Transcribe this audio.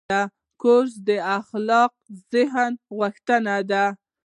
کورس د خلاق ذهن غوښتنه ده.